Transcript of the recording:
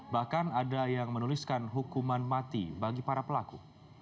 bahkan ada yang menuliskan hukuman mati bagi para pelaku